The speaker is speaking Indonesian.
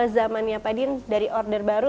zamannya pak din dari order baru